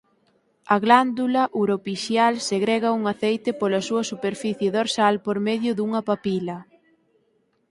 A glándula uropixial segrega un aceite pola súa superficie dorsal por medio dunha papila.